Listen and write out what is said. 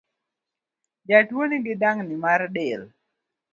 Jatuo nigi dang’ni mar del